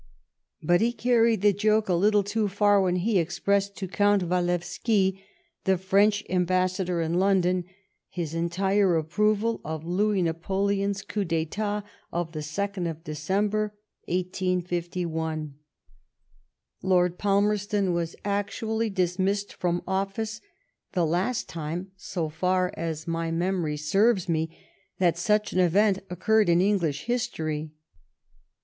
But he carried the joke a little too far when he expressed to Count Walewski, the French Ambassador in London, his entire approval of Louis Napoleon's coup d'etat of the second of December, 185 1. Lord Palmerston was actually dismissed from office — the last time, so far as my IS4 THE STORY OF GLADSTONE'S LIFE memory serves me, that such an event occurred in English history.